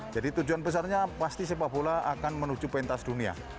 tujuan besarnya pasti sepak bola akan menuju pentas dunia